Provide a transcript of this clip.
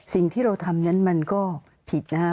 สิ่งที่เราทำนั้นมันก็ผิดนะฮะ